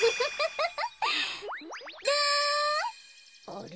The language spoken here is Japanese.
あれ？